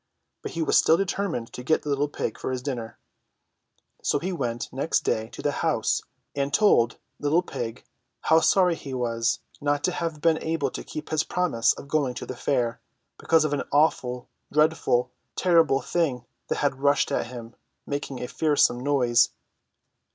But he was still determined to get the little pig for his dinner ; so he went next day to the house and told the little pig how sorry he was not to have been able to keep his promise of going to the fair, because of an awful, dreadful, terrible Thing that had rushed at him, making a fearsome noise.